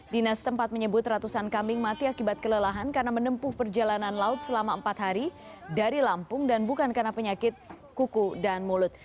dinas tempat menyebut ratusan kambing mati akibat kelelahan karena menempuh perjalanan laut selama empat hari dari lampung dan bukan karena penyakit kuku dan mulut